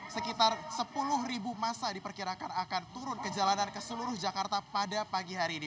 sekitar sepuluh masa diperkirakan akan turun ke jalanan ke seluruh jakarta pada pagi hari ini